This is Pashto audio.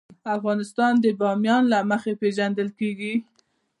افغانستان د بامیان له مخې پېژندل کېږي.